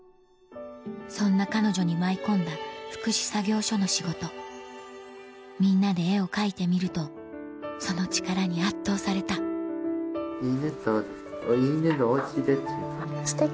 そんな彼女に舞い込んだ福祉作業所の仕事みんなで絵を描いてみるとその力に圧倒された犬とお犬のお家です。